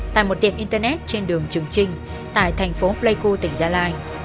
tại một tiệm internet trên đường trường trinh tại thành phố pleiku tỉnh gia lai